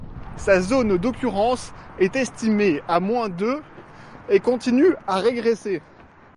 Sa zone d'occurrence est estimée à moins de et continue à régresser.